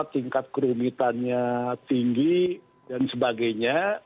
tingkat kerumitannya tinggi dan sebagainya